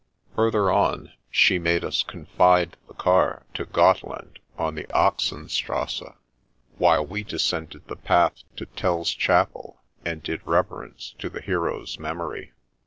Further on, she made us confide the car to Gotteland on the Axenstrasse, while we descended the path to Tell's chapel and did reverence to the hero's memory.